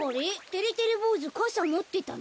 てれてれぼうずかさもってたの？